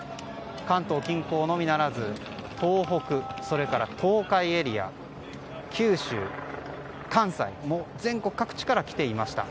関東近郊のみならず東北、それから東海エリア九州、関西と全国各地から来ていました。